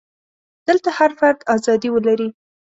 دلته هر فرد ازادي ولري.